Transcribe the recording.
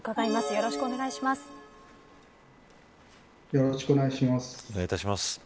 よろしくお願いします。